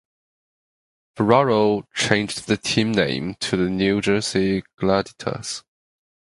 Ferraro changed the team name to the New Jersey Gladiators.